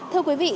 thưa quý vị